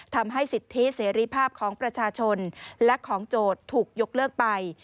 ทำให้สิทธิเสรีภาพของประชาชนและของโจทย์ถูกยกเลิกไป